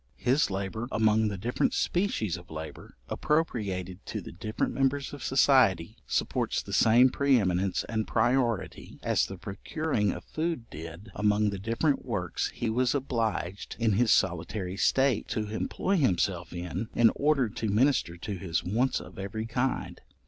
His labour, among the different species of labour, appropriated to the different members of society, supports the same pre eminence and priority, as the procuring of food did among the different works he was obliged, in his solitary state, to employ himself in, in order to minister to his wants of every kind.